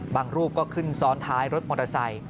รูปก็ขึ้นซ้อนท้ายรถมอเตอร์ไซค์